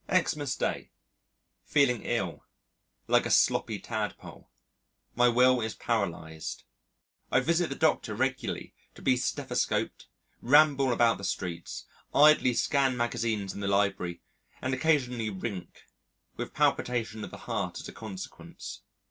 Xmas Day. Feeling ill like a sloppy Tadpole. My will is paralysed. I visit the Doctor regularly to be stethoscoped, ramble about the streets, idly scan magazines in the Library and occasionally rink with palpitation of the heart as a consequence.